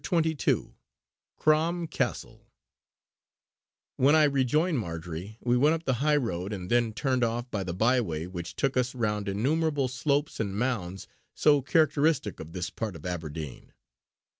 CHAPTER XXII CROM CASTLE When I rejoined Marjory, we went up the high road and then turned off by a by way which took us round innumerable slopes and mounds, so characteristic of this part of Aberdeen.